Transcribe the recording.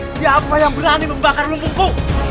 siapa yang berani membakar lumpungku